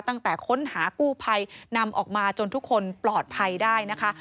ตั้งแต่ค้นหากู้ภัยนำออกมาจนทุกคนปลอดภัยได้นะคะ